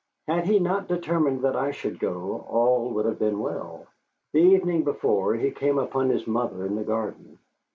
Had he not determined that I should go, all would have been well. The evening before he came upon his mother in the garden.